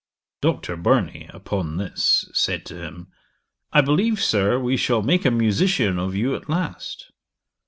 Dr. Burney upon this said to him, "I believe, Sir, we shall make a musician of you at last."